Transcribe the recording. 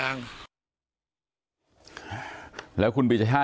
ฐานพระพุทธรูปทองคำ